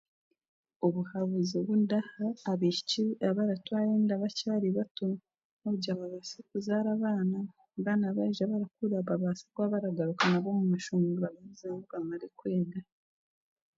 Obuhabuzi obundaha abaishiki abaratwara enda bakyari bato n'okugira abaana baija baakura babaase kuba baragaruka omu mashomero kwega